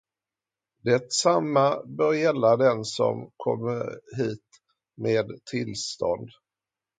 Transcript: Detsamma bör gälla den som kommer hit med tillstånd.